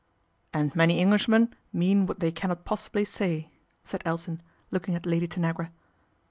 And many Englishmen mean what they cannot ibly say," said Elton, looking at Lady Tanagra.